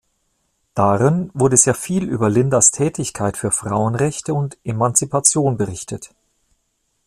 Darin wurde sehr viel über Lindas Tätigkeit für Frauenrechte und Emanzipation berichtet.